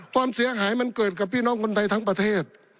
ความเสียหายมันเกิดกับพี่น้องคนไทยทั้งประเทศ